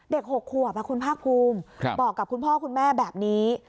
๖ขวบคุณภาคภูมิบอกกับคุณพ่อคุณแม่แบบนี้